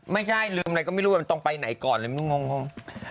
ไม่ใช่ลืมอะไรก็ไม่รู้มันตรงไปไหนก่อนเลยไม่รู้งง